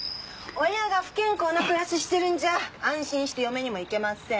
親が不健康な暮らししてるんじゃ安心して嫁にもいけません！